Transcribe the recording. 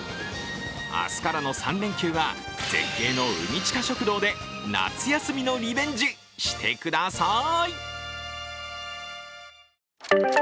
明日からの３連休は絶景の海チカ食堂で夏休みのリベンジしてください！